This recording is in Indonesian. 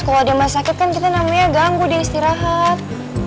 kalau ada mas sakit kan kita namanya ganggu di istirahat